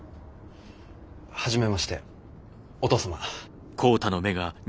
初めましてお父様。